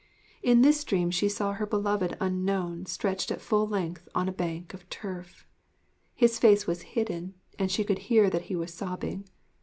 In this dream she saw her beloved Unknown stretched at full length on a bank of turf. His face was hidden, and she could hear that he was sobbing.